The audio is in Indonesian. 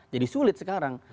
jadi sulit sekarang